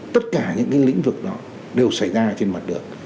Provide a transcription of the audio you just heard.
tất cả những cái lĩnh vực đó đều xảy ra trên mặt đường